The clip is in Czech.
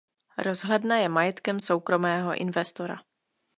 Rozhledna je majetkem soukromého investora.